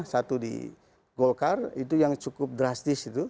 satu di golkar itu yang cukup drastis itu